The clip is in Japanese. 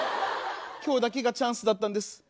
今日だけがチャンスだったんです。